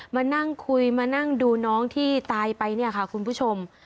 มานั่งคุยมานั่งดูน้องที่ตายไปเนี่ยค่ะคุณผู้ชม